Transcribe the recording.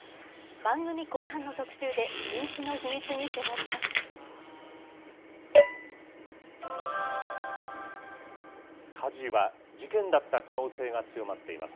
番組後半の特集で、人気の秘密に迫ります。